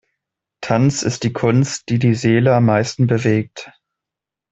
Tanz ist die Kunst, die die Seele am meisten bewegt.